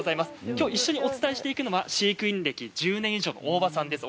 きょう一緒に、お伝えするのが飼育員歴１０年以上の大場さんです。